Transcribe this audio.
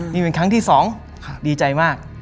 นี่เป็นครั้งที่๒ดีใจมาก